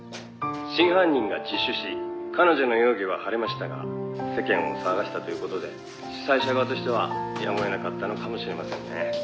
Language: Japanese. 「真犯人が自首し彼女の容疑は晴れましたが世間を騒がせたという事で主催者側としてはやむを得なかったのかもしれませんね」